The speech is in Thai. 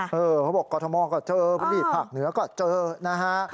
เขาบอกกรทมก็เจอพื้นที่ภาคเหนือก็เจอนะฮะ